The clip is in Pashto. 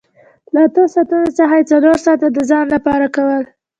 له اتو ساعتونو څخه یې څلور ساعته د ځان لپاره کول